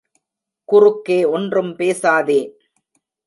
குறுக்கே ஒன்றும் பேசாதே!